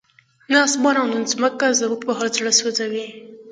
نه اسمان او نه ځمکه زموږ په حال زړه سوځوي.